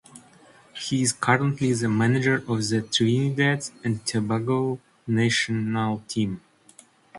He is currently the manager of the Trinidad and Tobago national team.